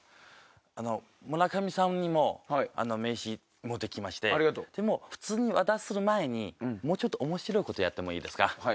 村上さんにも名刺持ってきまして普通に渡す前にもうちょっと面白いことやってもいいですか。